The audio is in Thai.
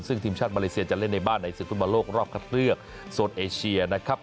ซึ่งทีมชาติมาเลเซียจะเล่นในบ้านในศึกฟุตบอลโลกรอบคัดเลือกโซนเอเชียนะครับ